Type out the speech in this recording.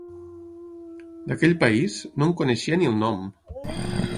D'aquell país, no en coneixia ni el nom!